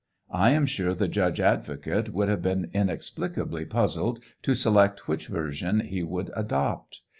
I am sure the judge advocate would have been inexplicably puzzled to select which version he would adopt.